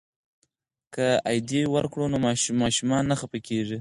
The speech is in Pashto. که عیدي ورکړو نو ماشومان نه خفه کیږي.